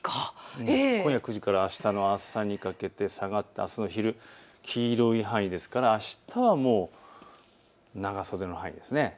今夜９時からあしたの朝にかけてあすの昼、黄色い範囲ですからあしたはもう長袖の範囲です。